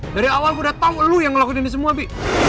dari awal udah tau lu yang ngelakuin ini semua bi